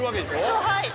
そうはい。